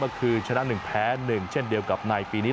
ก็คือชนะ๑แพ้๑เช่นเดียวกับในปีนี้